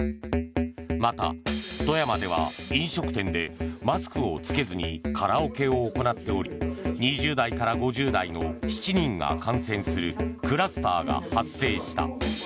また、富山では飲食店でマスクを着けずにカラオケを行っており２０代から５０代の７人が感染するクラスターが発生した。